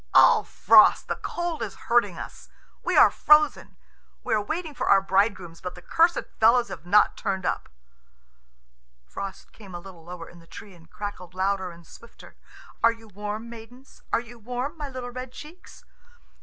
"Ugh, Frost, the cold is hurting us. We are frozen. We are waiting for our bridegrooms, but the cursed fellows have not turned up." Frost came a little lower in the tree, and crackled louder and swifter. "Are you warm, maidens? Are you warm, my little red cheeks?"